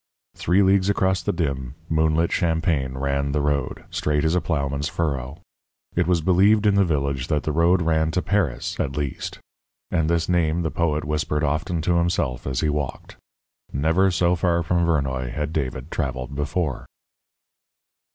Three leagues across the dim, moonlit champaign ran the road, straight as a ploughman's furrow. It was believed in the village that the road ran to Paris, at least; and this name the poet whispered often to himself as he walked. Never so far from Vernoy had David travelled before.